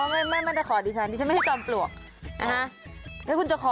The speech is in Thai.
ไม่แต่ขอดีฉันดีฉันไม่ให้กลัวปลวก